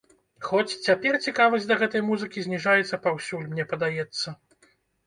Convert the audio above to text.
Хоць, цяпер цікавасць да гэтай музыкі зніжаецца паўсюль, мне падаецца.